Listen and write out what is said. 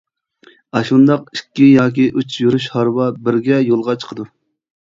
ئاشۇنداق ئىككى ياكى ئۈچ يۈرۈش ھارۋا بىرگە يولغا چىقىدۇ.